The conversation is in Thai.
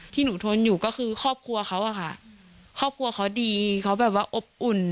ที่หนูทนอยู่ก็คือครอบครัวเขาอะค่ะครอบครัวเขาดีเขาแบบว่าอบอุ่น